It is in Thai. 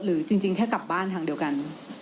จริงแค่กลับบ้านทางเดียวกัน